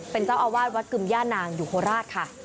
เป็นเจ้าอาวาสวัดกึมย่านางอยู่โคราชค่ะ